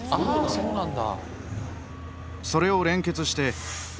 そうなんだ。